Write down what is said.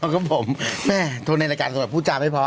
ครับผมโทรในราชาโน้ทเพียบพูดจำไม่เพราะ